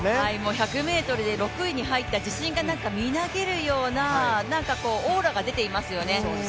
１００ｍで６位に入った自信がみなぎるようななんかオーラが出ていますよね。